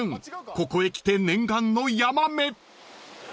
ここへきて念願のヤマメ］